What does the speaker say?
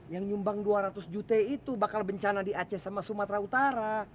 yang nyumbang dua ratus juta itu bakal bencana di aceh sama sumatera utara